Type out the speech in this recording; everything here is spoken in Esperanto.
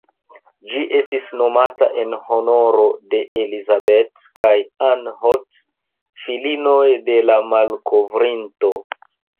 Ĝi estis nomita en honoro de "Elizabeth" kaj "Ann Holt", filinoj de la malkovrinto.